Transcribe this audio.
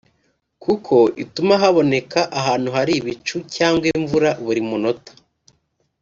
kuko ituma haboneka ahantu hari ibicu cyangwa imvura buri munota